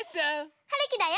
はるきだよ。